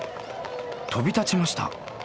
飛び立ちました。